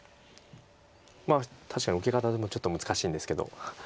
確かに受け方もちょっと難しいんですけど。